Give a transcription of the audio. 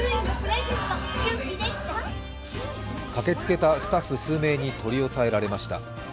駆けつけたスタッフ数名に取り押さえられました。